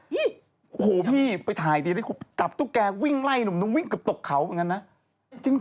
ฮิ้โอ้โฮพี่ไปถ่ายดีจับตุ๊กแกวิ่งไล่นุ่มต้องวิ่งกับตกเขาอย่างนั้นนะ